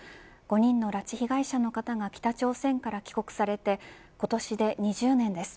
５人の拉致被害者の方が北朝鮮から帰国されて今年で２０年です。